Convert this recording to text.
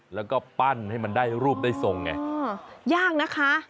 แล้วก็ปั้นให้มันได้รูปได้ทรงไงยากนะคะ